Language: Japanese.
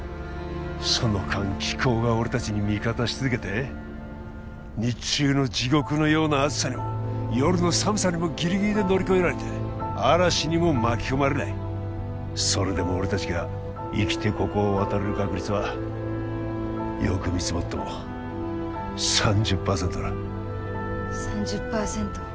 その間気候が俺たちに味方し続けて日中の地獄のような暑さにも夜の寒さにもギリギリで乗り越えられて嵐にも巻き込まれないそれでも俺たちが生きてここを渡れる確率はよく見積もっても３０％だ３０％